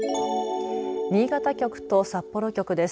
新潟局と札幌局です。